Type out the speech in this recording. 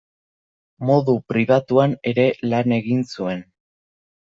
Modu pribatuan ere lan egin zuen.